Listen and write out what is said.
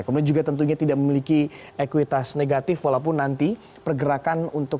kemudian juga tentunya tidak memiliki ekuitas negatif walaupun nanti pergerakan untuk